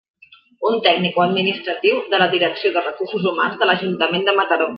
Un tècnic o administratiu de la Direcció de Recursos Humans de l'Ajuntament de Mataró.